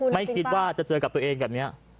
ไม่คิดว่าจะเจอกับตัวเองแบบนี้